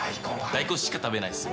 大根しか食べないです。